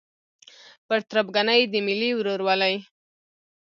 پر تربګنۍ د ملي ورورولۍ